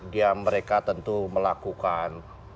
dia mereka tentu melakukan